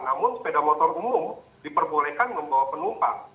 namun sepeda motor umum diperbolehkan membawa penumpang